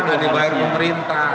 tidak dibayar pemerintah